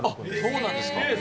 そうなんですか。